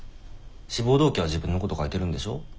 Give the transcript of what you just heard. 志望動機は自分のこと書いてるんでしょ？